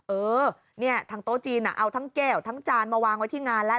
เออเนี่ยทางโต๊ะจีนเอาทั้งแก้วทั้งจานมาวางไว้ที่งานแล้ว